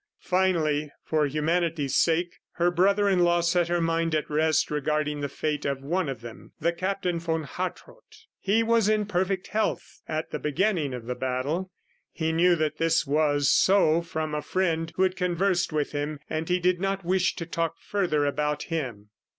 Finally, for humanity's sake, her brother in law set her mind at rest regarding the fate of one of them, the Captain von Hartrott. He was in perfect health at the beginning of the battle. He knew that this was so from a friend who had conversed with him ... and he did not wish to talk further about him.